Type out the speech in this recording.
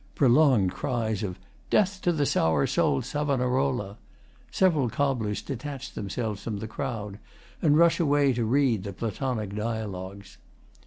[Prolonged cries of 'Death to the Sour Souled Savonarola!' Several cobblers detach themselves from the crowd and rush away to read the Platonic Dialogues.